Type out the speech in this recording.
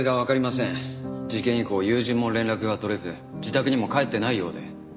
事件以降友人も連絡が取れず自宅にも帰ってないようで。